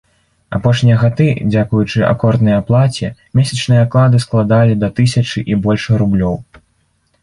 Апошнія гады, дзякуючы акорднай аплаце, месячныя аклады складалі да тысячы і больш рублёў.